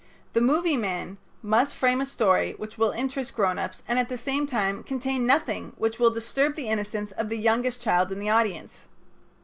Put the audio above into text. The movie man must frame a story which will interest grown ups and at the same time contain nothing which will disturb the innocence of the youngest child in the audience.